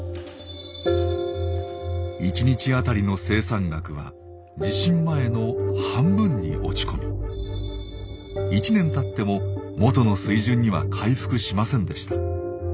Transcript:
１日当たりの生産額は地震前の半分に落ち込み１年たっても元の水準には回復しませんでした。